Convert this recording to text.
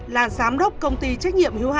là giám đốc công ty trách nhiệm miền trung